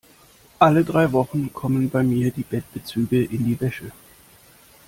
Alle drei Wochen kommen bei mir die Bettbezüge in die Wäsche.